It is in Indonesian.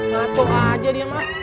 maco aja dia mak